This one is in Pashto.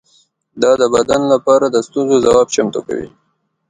دا د بدن لپاره د ستونزو ځواب چمتو کوي.